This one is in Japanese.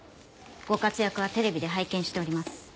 ご活躍はテレビで拝見しております。